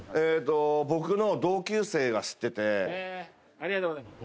ありがとうございます。